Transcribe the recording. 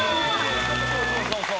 そうそうそう。